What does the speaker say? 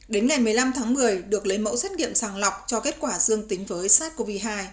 đến ngày một mươi năm tháng một mươi được lấy mẫu xét nghiệm sàng lọc cho kết quả dương tính với sars cov hai